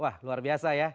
wah luar biasa ya